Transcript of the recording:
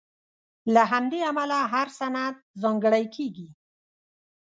له همدې امله هر سند ځانګړی کېږي.